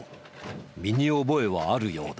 身に覚えはあるようだ。